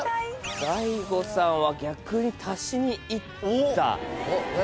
ＤＡＩＧＯさんは逆に足しにいった。